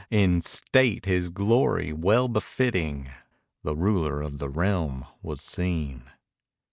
In state his glory well befitting, The ruler of the realm was seen.